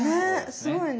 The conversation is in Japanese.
すごいね。